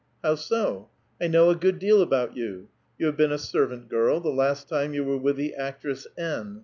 ''How so? I know a good deal about you. You have been a seiTant girl, the last time 3'ou were with the actress N.